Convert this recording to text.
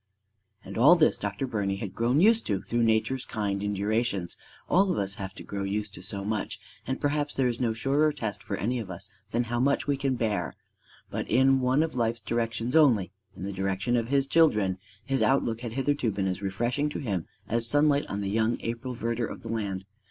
And all this Dr. Birney had grown used to through Nature's kind indurations: all of us have to grow used to so much; and perhaps there is no surer test for any of us than how much we can bear. But in one of life's directions only in the direction of his children his outlook had hitherto been as refreshing to him as sunlight on the young April verdure of the land.